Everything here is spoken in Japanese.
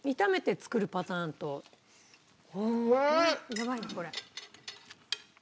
やばいよこれ。